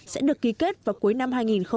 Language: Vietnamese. sẽ được ký kết vào cuối năm hai nghìn một mươi bảy